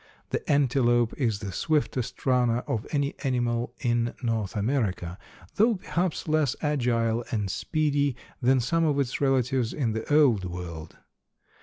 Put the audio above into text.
The antelope is the swiftest runner of any animal in North America, though perhaps less agile and speedy than some of its relatives in the old world.